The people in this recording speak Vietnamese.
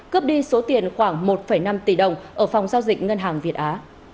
cướp đi số tiền khoảng một năm tỷ đồng ở phòng giao dịch ngân hàng việt á